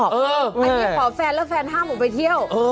อันนี้ขอแฟนแล้วแฟนห้ามออกไปเที่ยว